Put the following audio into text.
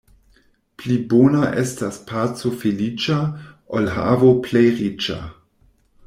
Pli bona estas paco feliĉa, ol havo plej riĉa.